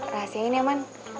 rahasiain ya man